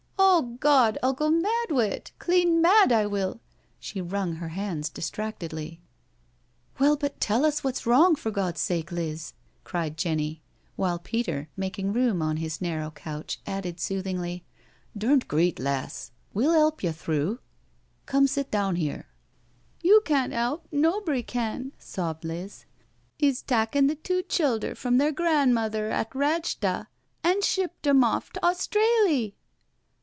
" Oh Gawd, I'll go mad wi't — clean mad, I will." She wrung her hands distractedly. " Well, but tell us what's wrong, for God's sake, Liz," cried Jenny, while Peter, making room on his narrow couch, added soothingly: IN THE BLACK COUNTRY 9 •• Durn't greet, lass— we'll 'elp you threaw. Come, sit down here." •• You can't 'elp, nobry can/* sobbed Liz. " 'E's takken the two childher from their gran'mother at Ratchda* an' shipped 'em off t' Australy."